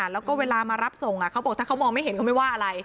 แล้วก็เวลามารับส่งเขาบอกถ้าเขามองไม่เห็นเขาไม่ว่าอะไร